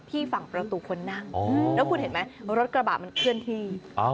ฝั่งประตูคนนั่งแล้วคุณเห็นไหมรถกระบะมันเคลื่อนที่